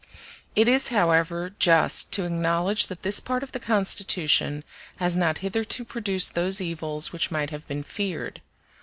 It is, however, just to acknowledge that this part of the Constitution has not hitherto produced those evils which might have been feared.